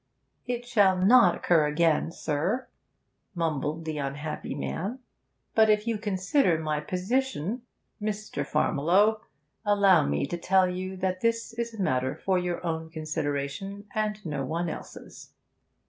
'It shall not occur again, sir,' mumbled the unhappy man. 'But, if you consider my position ' 'Mr. Farmiloe, allow me to tell you that this is a matter for your own consideration, and no one else's.'